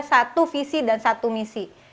satu visi dan satu misi